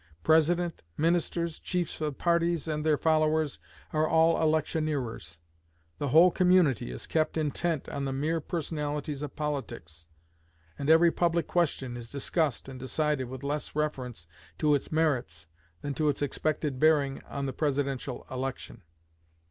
President, ministers, chiefs of parties, and their followers, are all electioneerers: the whole community is kept intent on the mere personalities of politics, and every public question is discussed and decided with less reference to its merits than to its expected bearing on the presidential election.